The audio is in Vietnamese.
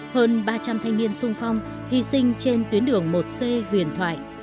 hơn ba trăm linh thanh niên sung phong hy sinh trên tuyến đường một c huyền thoại